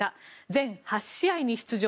全８試合に出場。